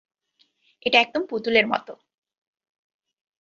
এটা একদম পুতুলের মতো।